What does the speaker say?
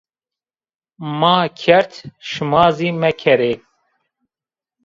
Ma kerd, şima zî mekerê